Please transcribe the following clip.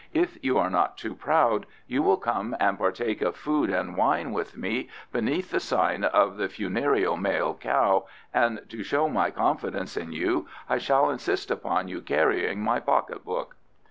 If you are not too proud you will come and partake of food and wine with me beneath the sign of the Funereal Male Cow, and to show my confidence in you I shall insist upon you carrying my pocket book."